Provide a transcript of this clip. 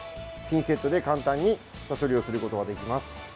ピンセットで簡単に下処理をすることができます。